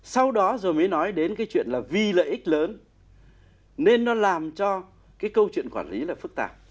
sau đó rồi mới nói đến cái chuyện là vì lợi ích lớn nên nó làm cho cái câu chuyện quản lý là phức tạp